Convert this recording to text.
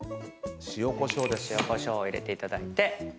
塩コショウを入れていただいて。